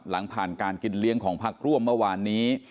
หลังผ่านการกินเลี้ยงของพักร่วมเมื่อวานนี้